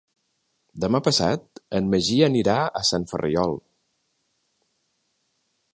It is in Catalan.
Demà passat en Magí anirà a Sant Ferriol.